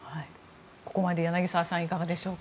ここまで柳澤さんいかがでしょうか。